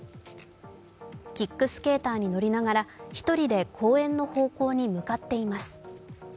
キックスケーターに乗りながら、１人で公園の方向に向かっています